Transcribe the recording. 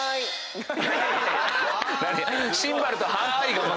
シンバルと「はい」が。